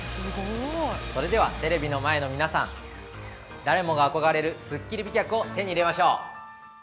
◆それではテレビの前の皆さん、誰もが憧れるすっきり美脚を手に入れましょう。